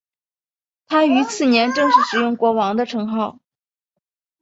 他于次年正式使用国王的称号。